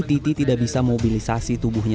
titi tidak bisa mobilisasi tubuhnya